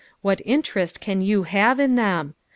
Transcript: What interest can you have in them